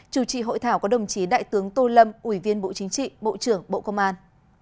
chủ trì hội thảo có đồng chí đại tướng tô lâm ủy viên bộ chính trị bộ trưởng bộ công an